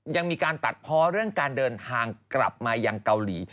ยังมีการตัดเพาะเรื่องการเดินทางกลับมายังเกาหลี